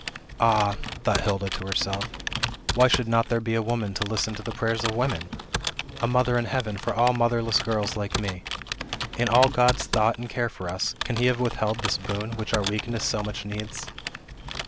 "Ah," thought Hilda to herself, "why should not there be a woman to listen to the prayers of women? A mother in heaven for all motherless girls like me? In all God's thought and care for us, can he have withheld this boon, which our weakness so much needs?"